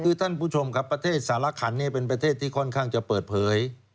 คือท่านผู้ชมครับประเทศสารขันเป็นประเทศที่ค่อนข้างจะเปิดเผย